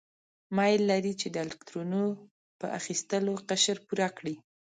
میل لري چې د الکترونو په اخیستلو قشر پوره کړي.